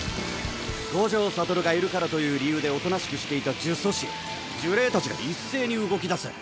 五条悟がいるからという理由でおとなしくしていた呪詛師呪霊たちが一斉に動きだす。